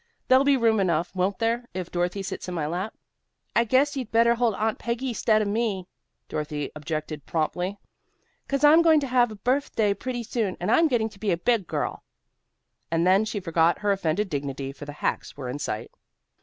"There'll be room enough, won't there, if Dorothy sits in my lap?" "I guess you'd better hold Aunt Peggy 'stead of me," Dorothy objected promptly, "'cause I'm going to have a birf day pretty soon, and I'm getting to be a big girl." And then she forgot her offended dignity, for the hacks were in sight.